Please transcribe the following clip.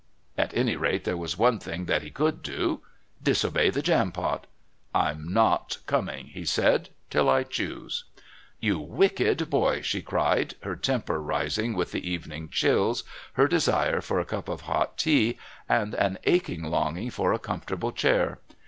At any rate, there was one thing that he could do, disobey the Jampot. "I'm not coming," he said, "till I choose." "You wicked boy!" she cried, her temper rising with the evening chills, her desire for a cup of hot tea, and an aching longing for a comfortable chair.